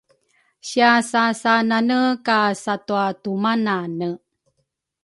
Siasasanane ka satwatumanane